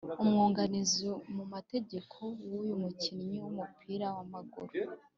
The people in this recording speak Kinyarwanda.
umwunganizi mu mategeko w’uyu mukinnyi w’umupira w’amaguru